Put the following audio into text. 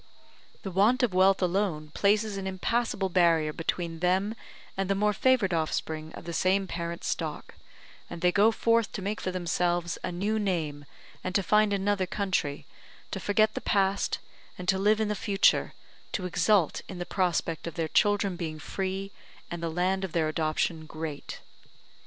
The want of wealth alone places an impassable barrier between them and the more favoured offspring of the same parent stock; and they go forth to make for themselves a new name and to find another country, to forget the past and to live in the future, to exult in the prospect of their children being free and the land of their adoption great.